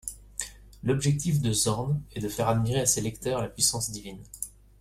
L’objectif de Zorn est de faire admirer à ses lecteurs la puissance divine.